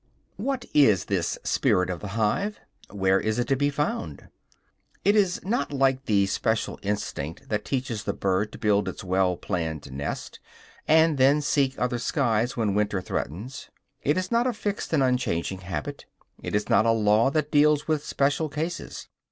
What is this "spirit of the hive" where is it to be found? It is not like the special instinct that teaches the bird to build its well planned nest, and then seek other skies when winter threatens. It is not a fixed and unchanging habit; it is not a law that deals with special cases.